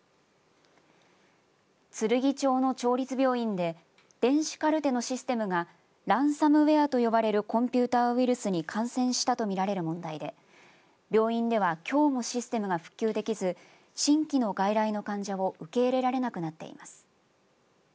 つるぎ町の町立病院で電子カルテのシステムがランサムウエアと呼ばれるコンピューターウイルスに感染したと見られる問題で病院では、きょうもシステムが復旧できず新規の外来の患者を受け入れられなくなっています。